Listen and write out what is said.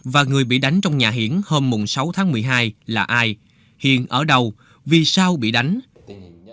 và người bị đánh trong nhà hiển hôm sáu tháng một mươi hai là ai hiền ở đâu vì sao bị đánh